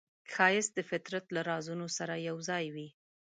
ښایست د فطرت له رازونو سره یوځای وي